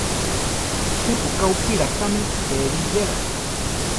¿Je pu ka upíla káme pébi eyéla?